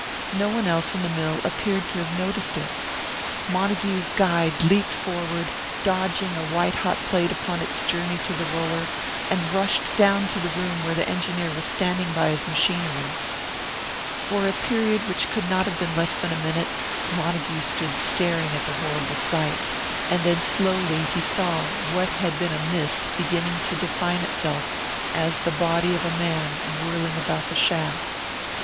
No one else in the mill appeared to have noticed it. Montague's guide leaped forward, dodging a white hot plate upon its journey to the roller, and rushed down the room to where the engineer was standing by his machinery. For a period which could not have been less than a minute, Montague stood staring at the horrible sight; and then slowly he saw what had been a mist beginning to define itself as the body of a man whirling about the shaft.